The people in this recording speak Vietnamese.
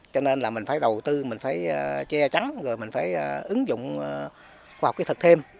cho nên là mình phải đầu tư mình phải che chắn rồi mình phải ứng dụng khoa học kỹ thực thêm